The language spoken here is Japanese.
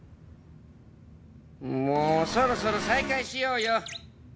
もうそろそろ再開しようよ。